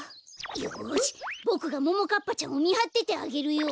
よしボクがももかっぱちゃんをみはっててあげるよ。